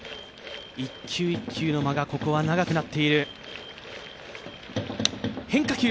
一球一球の間がここは長くなっている。